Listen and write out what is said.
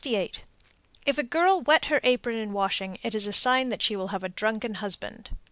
368. If a girl wet her apron in washing, it is a sign that she will have a drunken husband.